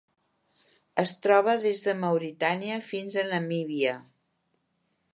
Es troba des de Mauritània fins a Namíbia.